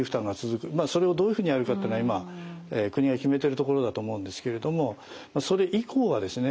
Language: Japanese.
それをどういうふうにやるかっていうのは今国が決めてるところだと思うんですけれどもそれ以降はですね